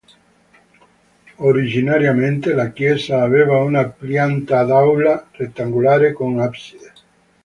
Originariamente la chiesa aveva una pianta ad aula rettangolare con abside.